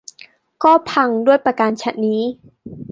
ก็พังด้วยประการฉะนี้